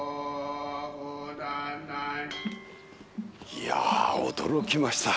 いやあ驚きました。